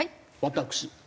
私。